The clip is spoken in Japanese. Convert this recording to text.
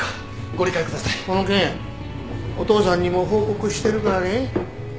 この件お父さんにも報告してるからね。